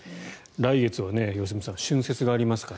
来月は良純さん春節がありますから。